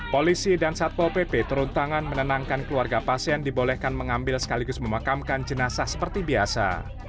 polisi dan satpol pp turun tangan menenangkan keluarga pasien dibolehkan mengambil sekaligus memakamkan jenazah seperti biasa